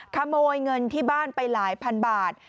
ขโมยเงินที่บ้านไปหลายพันบาท